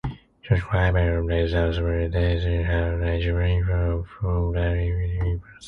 George Clymer and Elizabeth Meredith had nine children, four of whom died in infancy.